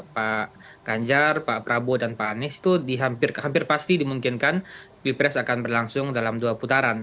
pak ganjar pak prabowo dan pak anies itu hampir pasti dimungkinkan pilpres akan berlangsung dalam dua putaran